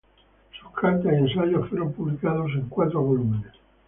Sus cartas y ensayos fueron publicados en cuatro volúmenes.